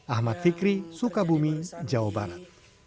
ahmad fikri sukabumi jawa barat